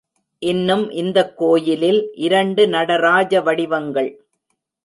இன்னும் இந்தக் கோயிலில் இரண்டு நடராஜ வடிவங்கள்.